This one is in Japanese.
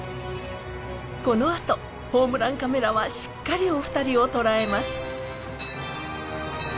このあとホームランカメラはしっかりお二人を捉えます